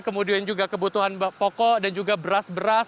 kemudian juga kebutuhan pokok dan juga beras beras